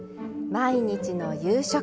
毎日の夕食。